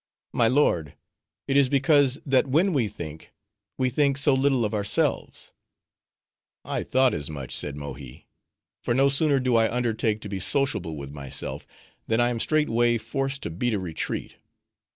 "My lord, it is because, that when we think, we think so little of ourselves." "I thought as much," said Mohi, "for no sooner do I undertake to be sociable with myself, than I am straightway forced to beat a retreat."